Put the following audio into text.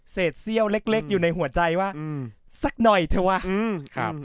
เศษเซี่ยวเล็กเล็กอยู่ในหัวใจว่าอืมสักหน่อยเถอะวะอืมครับ